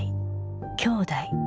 きょうだい。